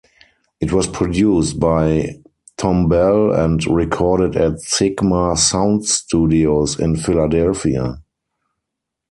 It was produced by Thom Bell and recorded at Sigma Sound Studios in Philadelphia.